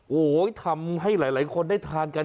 โอ้โหทำให้หลายคนได้ทานกัน